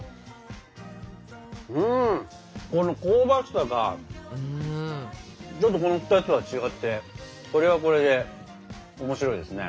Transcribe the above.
うんこの香ばしさがちょっとこの２つとは違ってこれはこれで面白いですね。